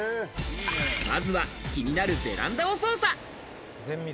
まずは気になるベランダを捜査。